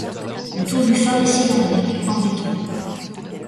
La tour du phare est cylindrique, en béton.